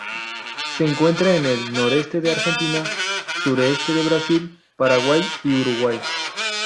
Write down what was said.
Se encuentra en el noreste de Argentina, sur-este de Brasil, Paraguay y Uruguay.